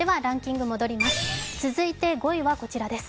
続いて５位はこちらです。